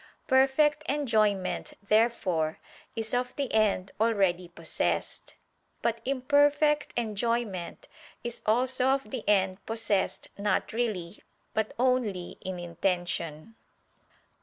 Perfect enjoyment, therefore, is of the end already possessed: but imperfect enjoyment is also of the end possessed not really, but only in intention.